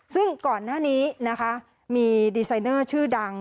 ซึ่งก่อนหน้านี้นะคะมีดีไซเนอร์ชื่อดัง